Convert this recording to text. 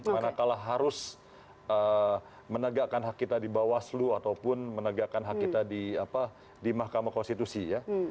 manakala harus menegakkan hak kita di bawaslu ataupun menegakkan hak kita di mahkamah konstitusi ya